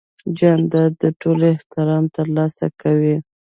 جانداد د ټولو احترام ترلاسه کوي.